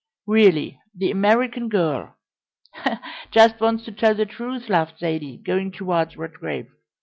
"Really, the American girl " "Just wants to tell the truth," laughed Zaidie, going towards Redgrave.